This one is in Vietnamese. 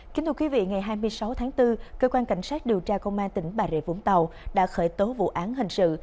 kính thưa quý vị ngày hai mươi sáu tháng bốn cơ quan cảnh sát điều tra công an tỉnh bà rịa vũng tàu đã khởi tố vụ án hình sự